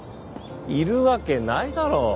いるわけないだろう。